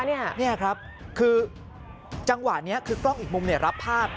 นี่ครับคือจังหวะนี้คือกล้องอีกมุมรับภาพ